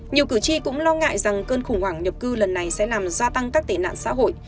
nhiều cử tri cũng lo ngại rằng cơn khủng hoảng nhập cư lần này sẽ làm gia tăng các tệ nạn xã hội